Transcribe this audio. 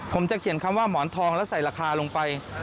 ผมจะเขียนคำว่าหมอนทองแล้วใส่ราคาลงไป